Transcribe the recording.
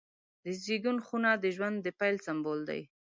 د زیږون خونه د ژوند د پیل سمبول دی.